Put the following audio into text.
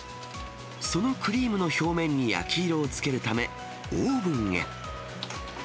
そのクリームの表面に焼き色をつけるため、オーブンへ。